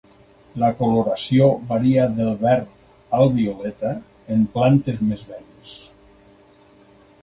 La coloració varia del verd al violeta en plantes més velles.